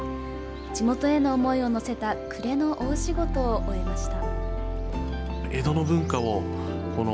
地元への思いを乗せた暮れの大仕事を終えました。